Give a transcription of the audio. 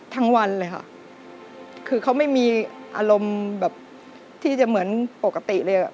วันเลยค่ะคือเขาไม่มีอารมณ์แบบที่จะเหมือนปกติเลยอ่ะ